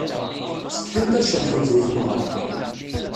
Setḥant ad ceḍḥent di tmeɣra.